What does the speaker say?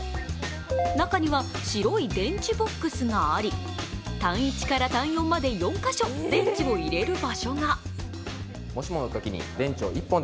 中には白い電池ボックスがあり単１から単４まで電池を入れる場所が。